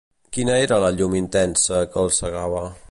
Quina era la llum intensa que els cegava?